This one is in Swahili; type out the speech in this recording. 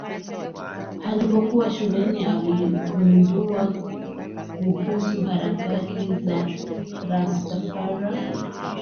Alipokuwa shuleni aligundua kuhusu harakati za Rastafara